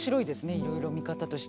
いろいろ見方としては。